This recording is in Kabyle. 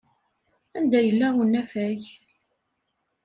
Anda yella unafag?